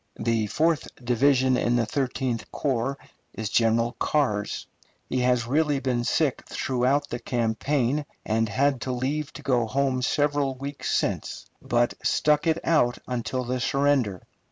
The fourth division in the Thirteenth Corps is General Carr's. He has really been sick throughout the campaign, and had leave to go home several weeks since, but stuck it out till the surrender.